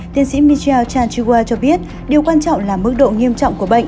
tiến sĩ michel chanchiwa cho biết điều quan trọng là mức độ nghiêm trọng của bệnh